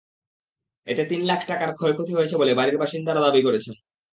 এতে তিন লাখ টাকার ক্ষয়ক্ষতি হয়েছে বলে বাড়ির বাসিন্দারা দাবি করেছেন।